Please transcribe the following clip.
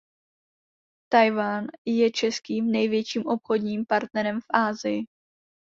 Tchaj-wan je čtvrtým největším obchodním partnerem v Asii.